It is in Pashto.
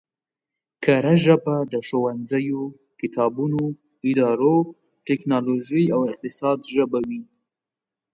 کره ژبه د ښوونځیو، کتابونو، ادارو، ټکنولوژۍ او اقتصاد ژبه وي